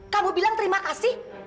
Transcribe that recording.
kamu bilang terima kasih